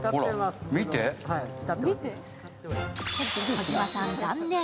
児嶋さん、残念。